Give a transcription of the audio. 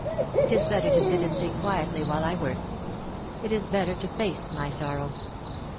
It is better to sit and think quietly, while I work. It is better to face my sorrow."